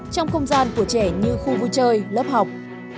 trong không gian của trẻ như khu vui chơi lớp học